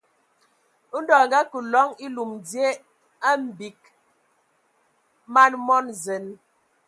Ndɔ a ngakǝ loŋ elum dzie a mgbig man mo zen.